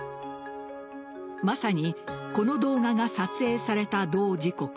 まさにこの動画が撮影された同時刻